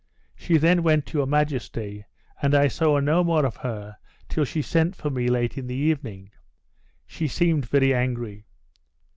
She then went to your majesty, and I saw no more of her till she sent for me late in the evening. She seemed very angry.